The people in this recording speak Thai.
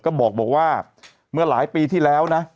ก็บอกว่าเมื่อหลายปีที่แล้วนะ